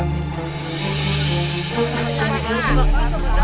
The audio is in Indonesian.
masa dulu pak